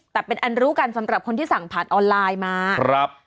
แต่เป็นอันรู้กันสำหรับคนที่สั่งผ่านออนไลน์มาครับ